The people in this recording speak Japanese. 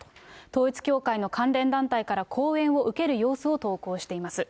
統一教会の関連団体から後援を受ける様子を投稿しています。